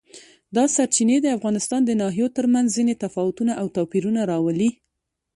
دا سرچینې د افغانستان د ناحیو ترمنځ ځینې تفاوتونه او توپیرونه راولي.